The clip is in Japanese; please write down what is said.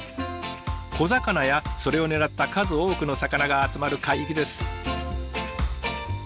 小魚やそれを狙った数多くの魚が集まる海域です。